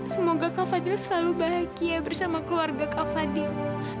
semoga kak fadil selalu bahagia bersama keluarga kau fadil